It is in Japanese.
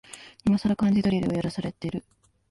いまさら漢字ドリルをやらされてる